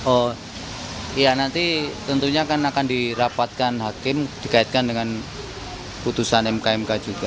oh ya nanti tentunya akan dirapatkan hakim dikaitkan dengan putusan mk mk juga